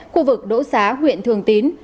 khu vực đỗ xá huyện thường tín